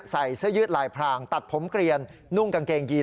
ใส่เสื้อยืดลายพรางตัดผมเกลียนนุ่งกางเกงยีน